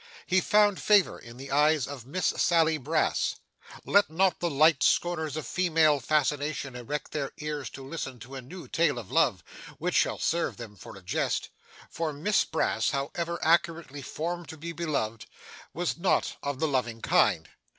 He found favour in the eyes of Miss Sally Brass. Let not the light scorners of female fascination erect their ears to listen to a new tale of love which shall serve them for a jest; for Miss Brass, however accurately formed to be beloved, was not of the loving kind.